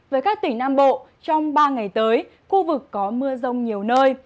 với các tỉnh nam bộ trong ba ngày tới khu vực có mưa rông nhiều nơi